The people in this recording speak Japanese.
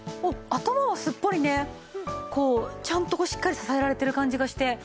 頭はすっぽりねちゃんとしっかり支えられてる感じがして。